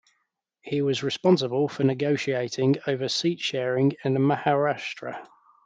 He was responsible for negotiating over seat-sharing in Maharashtra.